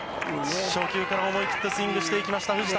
初球から思い切ってスイングしていきました、藤田。